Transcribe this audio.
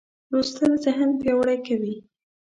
لوستل ذهن پیاوړی کوي.